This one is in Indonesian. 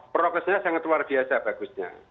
prokesnya sangat luar biasa bagusnya